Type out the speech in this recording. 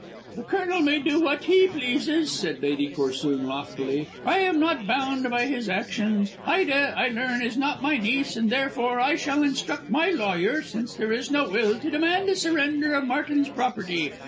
"The Colonel may do what he pleases," said Lady Corsoon loftily. "I am not bound by his actions. Ida, I learn, is not my niece, and therefore I shall instruct my lawyer since there is no will to demand a surrender of Martin's property.